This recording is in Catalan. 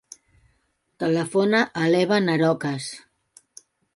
Telefona a l'Evan Arocas.